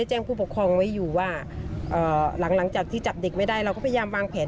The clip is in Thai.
หลังจากที่จับเด็กไม่ได้เราก็พยายามวางแผน